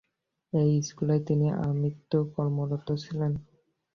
এই স্কুলেই তিনি আমৃত্যু কর্মরত ছিলেন।